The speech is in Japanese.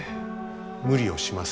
無理をします。